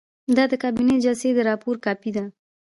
دا د کابینې د جلسې د راپور کاپي ده.